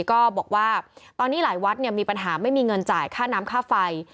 ก็บอกว่าตอนนี้หลายวัดมีปัญหาไม่มีเงินจ่ายค่าน้ำค่าไฟ